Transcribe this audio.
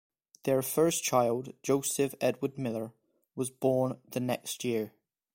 Their first child, Joseph Edward Miller, was born the next year.